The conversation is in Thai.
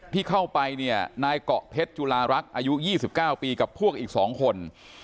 ที่เข้าไปเนี่ยนายเกาะเพชรจุลารักษ์อายุ๒๙ปีกับพวกอีก๒คน